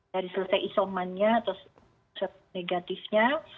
dari selesai isomannya atau negatifnya